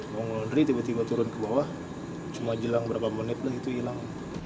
mau ngedri tiba tiba turun ke bawah cuma jelang berapa menit lah itu hilang